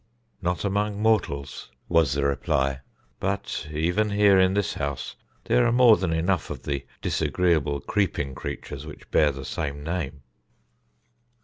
"Not among mortals," was the reply, "but even here in this house there are more than enough of the disagreeable, creeping creatures which bear the same name."